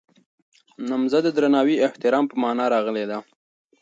نمځنه د درناوي او احترام په مانا راغلې ده.